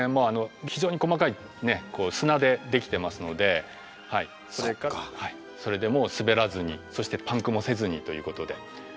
非常に細かい砂でできてますのでそれでもう滑らずにそしてパンクもせずにということで。